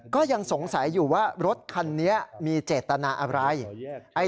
ก็ยังสงสัยอยู่ว่ารถคันนี้มีเจตนาอะไร